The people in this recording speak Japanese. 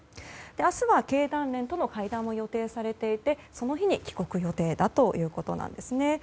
明日は経団連との会談を予定されていてその日に帰国予定だということです。